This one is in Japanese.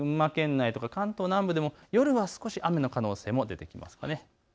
関東南部でも夜は少し雨の可能性も出てきます。